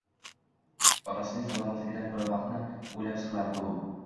Otasining salomatligidan ko`ra vaqtni o`ylab siqilardi u